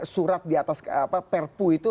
surat di atas perpu itu